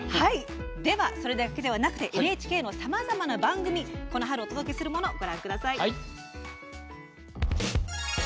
それだけではなくＮＨＫのさまざまな番組この春お届けするものです。